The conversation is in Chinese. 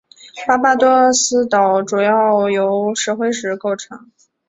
巴巴多斯岛主要由石灰石构成。